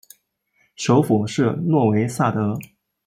首府是诺维萨德。